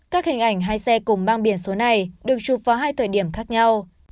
các hình ảnh hai xe cùng mang biển số này được chụp vào hai thời điểm khác nhau